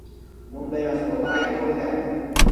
問題はその笑い所である